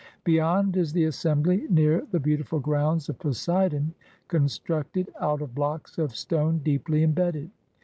Beyond is the assembly near the beauti ful grounds of Poseidon, constructed out of blocks of stone deeply embedded.